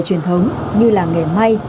truyền thống như làng nghề may